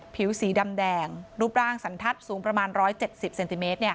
ผิวสีดำแดงรูปร่างสันทัศน์สูงประมาณ๑๗๐เซนติเมตร